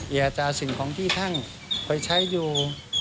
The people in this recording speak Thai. อย่าจะเอาสิ่งของที่ท่านเคยใช้อยู่